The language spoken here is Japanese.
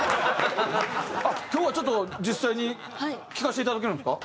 今日はちょっと実際に聴かせていただけるんですか？